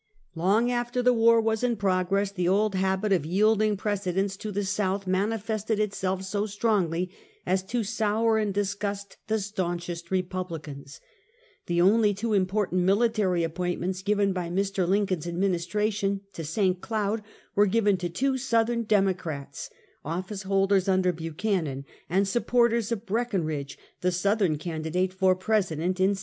Long after the war was in progress, the old habit of yielding precedence to the South manifested itself so strongly as to sour and disgust the staunchest Ke publicans. The only two important military appoint ments given by Mr. Lincoln's administration to St. Cloud were given to two Southern Democrats, office holders under Buchanan and supporters of Breckin ridge, the Southern candidate for President in '60.